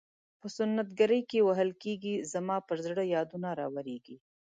په سنت ګرۍ کې وهل کیږي زما پر زړه یادونه راوریږي.